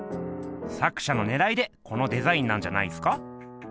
作者のねらいでこのデザインなんじゃないっすか？